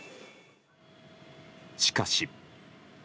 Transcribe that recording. しかし。